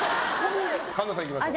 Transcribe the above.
神田さんいきましょう。